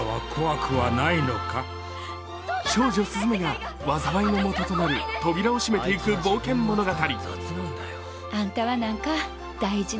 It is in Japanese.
少女・すずめが災いの元となる扉を閉めていく冒険物語。